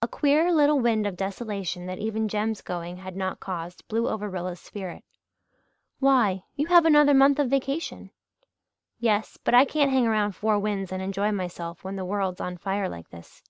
A queer little wind of desolation that even Jem's going had not caused blew over Rilla's spirit. "Why? You have another month of vacation." "Yes but I can't hang around Four Winds and enjoy myself when the world's on fire like this.